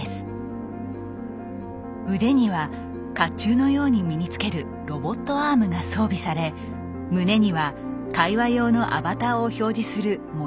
腕にはかっちゅうのように身につけるロボットアームが装備され胸には会話用のアバターを表示するモニターが取り付けられます。